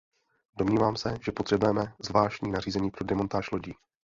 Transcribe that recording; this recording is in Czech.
Domnívám se, že potřebujeme zvláštní nařízení pro demontáž lodí.